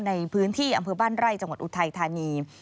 ในพื้นที่อำเภอบ้านไร่จังหวัดอุทัยธานี